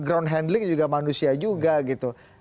ground handling juga manusia juga gitu